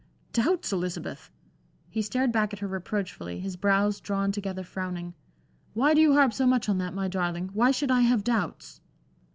"Doubts, Elizabeth!" He stared back at her reproachfully, his brows drawn together frowning. "Why do you harp so much on that, my darling? Why should I have doubts?"